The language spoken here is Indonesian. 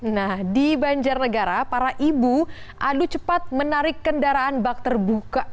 nah di banjarnegara para ibu adu cepat menarik kendaraan bak terbuka